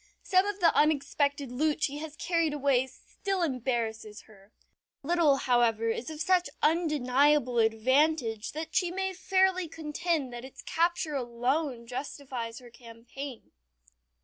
Some of the unexpected loot she has carried away still embarrasses her. Not a little, however, is of such undeniable advantage that she may fairly contend that its capture alone justifies her campaign.